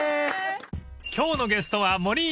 ［今日のゲストは］